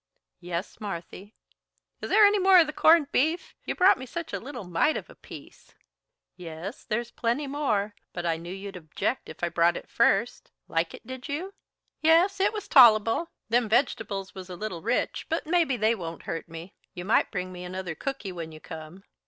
"Yes, Marthy." "Is there any more of the corned beef? You brought me such a little mite of a piece." "Yes, there's plenty more, but I knew you'd object if I brought it first. Like it, did you?" "Yes, it was tol'able. Them vegetables was a little rich, but maybe they won't hurt me. You might bring me another cooky when you come.